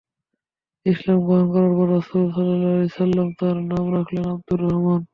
ইসলাম গ্রহণ করার পর রাসূলুল্লাহ সাল্লাল্লাহু আলাইহি ওয়াসাল্লাম তার নাম রাখলেন আব্দুর রহমান।